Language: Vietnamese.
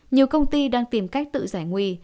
nhiều công ty đang tìm cách tự giải nguy